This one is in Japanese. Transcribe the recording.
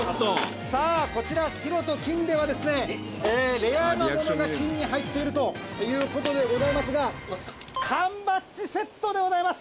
さあ、こちら白と金では、レアなものが金に入っているということでございますが、缶バッジセットでございます。